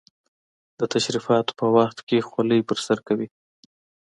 د تشریفاتو په وخت کې خولۍ پر سر کوي.